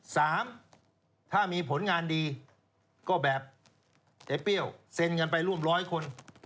สามถ้ามีผลงานดีก็แบบเจ๊เปรี้ยวเซ็นกันไปร่วมร้อยคน